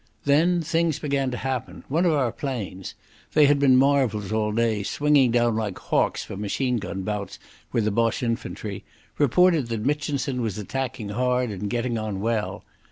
Then things began to happen. One of our planes—they had been marvels all day, swinging down like hawks for machine gun bouts with the Boche infantry—reported that Mitchinson was attacking hard and getting on well.